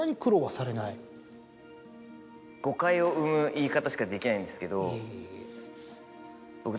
誤解を生む言い方しかできないんですけど僕。